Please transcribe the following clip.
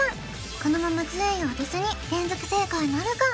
このまま１０位を当てずに連続正解なるか？